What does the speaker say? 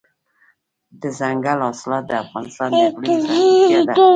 دځنګل حاصلات د افغانستان د اقلیم ځانګړتیا ده.